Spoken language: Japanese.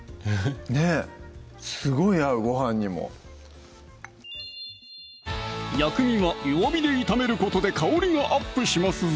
ねっすごい合うごはんにも薬味は弱火で炒めることで香りがアップしますぞ！